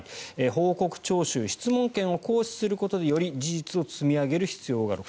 報告徴収・質問権を行使することでより事実を積み上げる必要がある。